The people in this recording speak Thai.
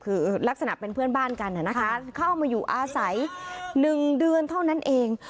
คือลักษณะเป็นเพื่อนบ้านกันนะคะเข้ามาอยู่อาศัย๑เดือนเท่านั้นเอง